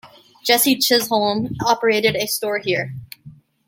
Jesse Chisholm operated a store here.